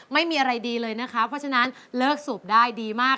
ไม่มีอะไรดีเลยนะคะเพราะฉะนั้นเลิกสูบได้ดีมาก